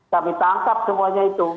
kami tangkap semuanya itu